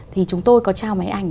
thì chúng tôi có trao máy ảnh